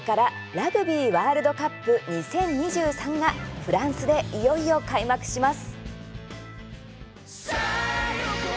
「ラグビーワールドカップ２０２３」がフランスでいよいよ開幕します。